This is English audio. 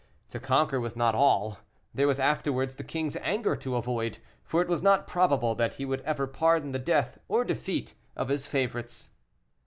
To conquer was not all; there was afterwards the king's anger to avoid, for it was not probable that he would ever pardon the death or defeat of his favorites.